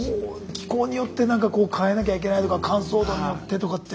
気候によってなんかこう変えなきゃいけないとか乾燥度によってとかって。